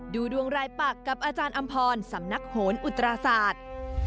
ดูดวงรายปักกับอาจารย์อำพรสำนักโหนอุตราศาสตร์